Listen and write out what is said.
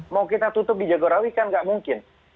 mau kita tutup di jagorawi kan nggak mungkin